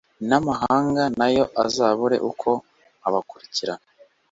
n'amahanga nayo azabure uko abakurikirana.